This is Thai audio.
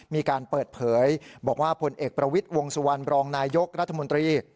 มีการเปิดเผยบอกว่าผลเอกประวิทย์วงสุวรรณบรองนายยกรัฐมนตรี